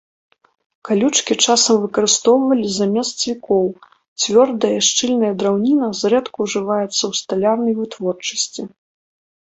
Калючкі часам выкарыстоўвалі замест цвікоў, цвёрдая і шчыльная драўніна зрэдку ўжываецца ў сталярнай вытворчасці.